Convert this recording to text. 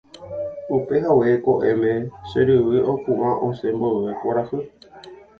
Upehague ko'ẽme che ryvy opu'ã osẽ mboyve kuarahy.